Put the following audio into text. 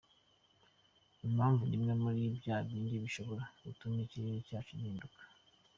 Impamvu ni bimwe muri bya bindi bishobora gutuma ikirere cyacu gihinduka.